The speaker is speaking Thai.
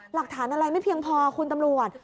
หลักฐานอะไรไม่เพียงพอคุณตำรวจ